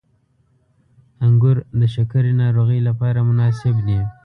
• انګور د شکرې ناروغۍ لپاره مناسب دي.